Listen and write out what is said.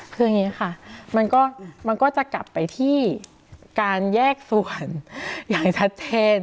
คืออย่างนี้ค่ะมันก็จะกลับไปที่การแยกส่วนอย่างชัดเจน